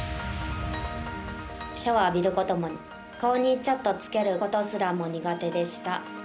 シャワー浴びることも顔にちょっとつけることすらも苦手でした。